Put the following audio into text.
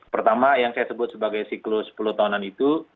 pertama yang saya sebut sebagai siklus sepuluh tahunan itu